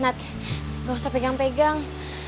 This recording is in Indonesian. nanti gak usah pegang pegang